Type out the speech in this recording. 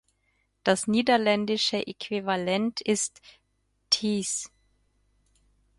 Das niederländische Äquivalent ist Thijs.